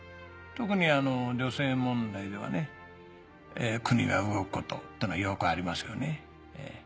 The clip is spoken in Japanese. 特に女性問題ではね国が動くことってのはよくありますよね。